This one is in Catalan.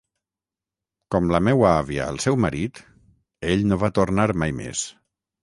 Com la meua àvia al seu marit... ell no va tornar mai més.